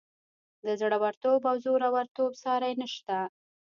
د زړه ورتوب او زورورتوب ساری نشته.